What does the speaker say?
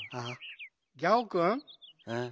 ギャオくん。